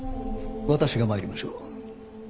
私が参りましょう。